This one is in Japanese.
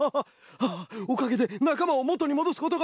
ああおかげでなかまをもとにもどすことができます！